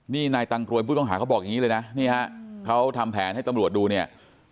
นี่นายตังกรวยผู้ต้องหาเขาบอกอย่างนี้เลยนะนี่ฮะเขาทำแผนให้ตำรวจดูเนี่ย